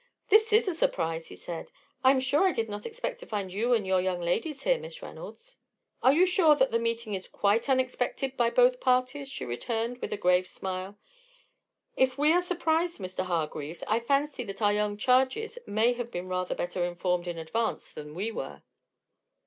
"This is a surprise," he said. "I am sure I did not expect to find you and your young ladies here, Miss Reynolds." "Are you sure that the meeting is quite unexpected by both parties?" she returned, with a grave smile. "If we are surprised, Mr. Hargreaves, I fancy that our young charges may have been rather better informed in advance than we were."